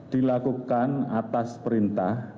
dilakukan atas perintah